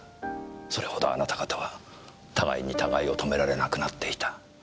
それほどあなた方は互いに互いを止められなくなっていた。